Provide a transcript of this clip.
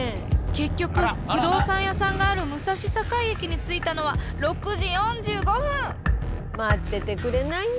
結局不動産屋さんがある武蔵境駅に着いたのは待っててくれないんだ。